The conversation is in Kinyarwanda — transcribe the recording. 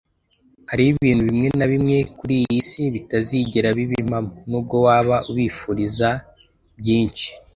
Hariho ibintu bimwe na bimwe kuri iyi si bitazigera biba impamo, nubwo waba ubifuriza byinshi.